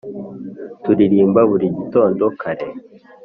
turirimba buri gitondo kare